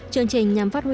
chương trình nhắm phát triển